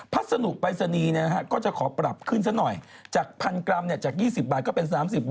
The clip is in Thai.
พัดสนุกด้านละภาษานี